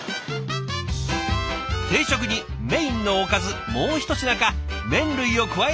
定食にメインのおかずもうひと品か麺類を加えるのが定番。